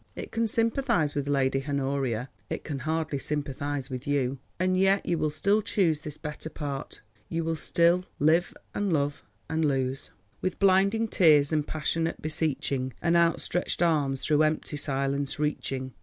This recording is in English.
It can sympathise with Lady Honoria; it can hardly sympathise with you. And yet you will still choose this better part: you will still "live and love, and lose." "With blinding tears and passionate beseeching, And outstretched arms through empty silence reaching."